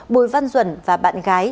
bùi văn duẩn và bạn gái